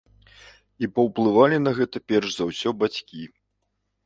І паўплывалі на гэта, перш за ўсё, бацькі.